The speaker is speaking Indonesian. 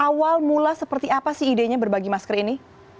awal mula seperti apa sih idenya berbagi masker ini